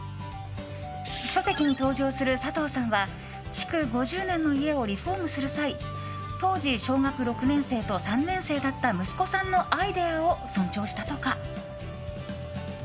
書籍に登場する佐藤さんは築５０年の家をリフォームする際当時小学６年生と３年生だった息子さんのアイデアを尊重したとか。